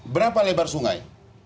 berapa lebar sungai